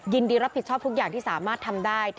ยินดีรับผิดชอบทุกอย่างที่สามารถทำได้